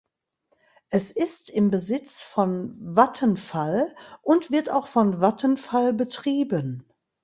Es ist im Besitz von Vattenfall und wird auch von Vattenfall betrieben.